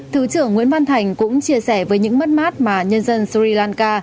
thứ trưởng nguyễn văn thành cũng chia sẻ với những mất mát mà nhân dân suriyanka